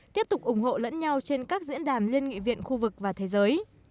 tiếp tục ủng hộ lẫn nhau trên các diễn đàn liên nghị viện khu vực và thế giới